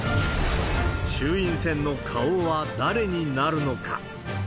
衆院選の顔は誰になるのか。